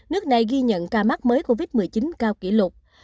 nước này ghi nhận ca mắc mới covid một mươi chín cao kỷ lục